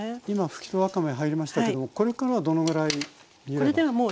今ふきとわかめ入りましたけどもこれからはどのぐらい煮れば？